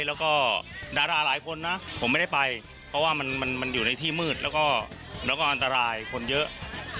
แล้วก็ดาราหลายคนนะผมไม่ได้ไปเพราะว่ามันอยู่ในที่มืดแล้วก็อันตรายคนเยอะ